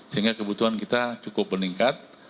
sehingga kebutuhan kita cukup meningkat